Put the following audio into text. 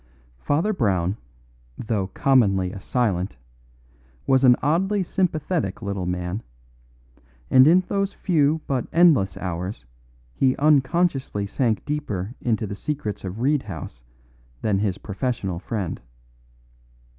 Father Brown, though commonly a silent, was an oddly sympathetic little man, and in those few but endless hours he unconsciously sank deeper into the secrets of Reed House than his professional friend.